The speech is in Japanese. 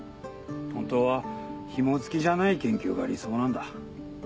本当はひも付きじゃない研究が理想なんだ。